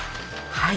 はい。